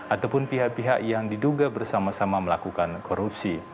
ataupun pihak pihak yang diduga bersama sama melakukan korupsi